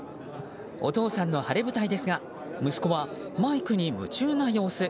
お父さんの晴れ舞台ですが息子はマイクに夢中な様子。